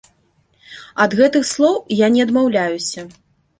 Ад гэтых слоў я не адмаўляюся.